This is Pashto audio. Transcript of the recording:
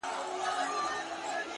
• ټولي دنـيـا سره خــبري كـــوم ـ